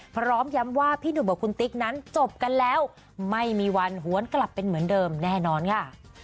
พร้อมย้ำว่าพี่หนุ่มกับคุณติ๊กนั้นจบกันแล้วไม่มีวันหวนกลับเป็นเหมือนเดิมแน่นอนค่ะ